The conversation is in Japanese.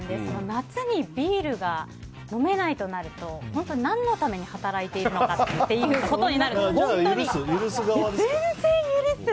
夏にビールが飲めないとなると本当に何のために働いているのかってなります。